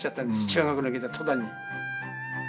中学に行けた途端に。